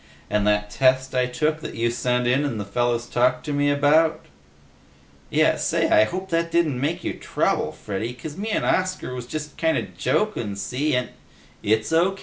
"And that test I took that you sent in and the fellas talked to me about?" "Yeh! Say, I hope that didn't make you trouble, Freddy, 'cuz me 'n' Oscar was just kinda jokin', see, and " "It's O.